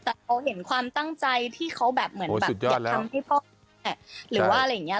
แต่เขาเห็นความตั้งใจที่เขาแบบเหมือนแบบอยากทำให้พ่อหรือว่าอะไรอย่างนี้